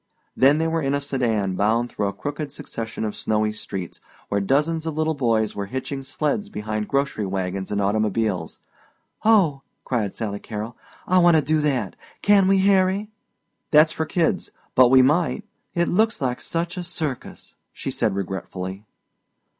Then they were in a sedan bound through a crooked succession of snowy streets where dozens of little boys were hitching sleds behind grocery wagons and automobiles. "Oh," cried Sally Carrol, "I want to do that! Can we Harry?" "That's for kids. But we might " "It looks like such a circus!" she said regretfully.